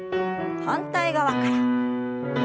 反対側から。